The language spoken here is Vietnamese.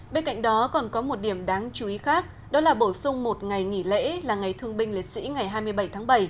bên cạnh đó còn có một điểm đáng chú ý khác đó là bổ sung một ngày nghỉ lễ là ngày thương binh liệt sĩ ngày hai mươi bảy tháng bảy